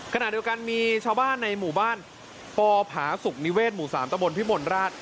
ขณะเดียวกันมีชาวบ้านในหมู่บ้านปผาสุกนิเวศหมู่๓ตะบนพิมลราช